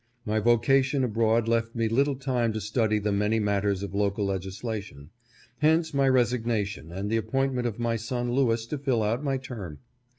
My vocation abroad left me little time to study the many matters of local legislation ; hence my resignation, and the appointment of my son Lewis to fill out my term.